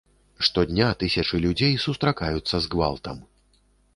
Штодня тысячы людзей сустракаюцца з гвалтам.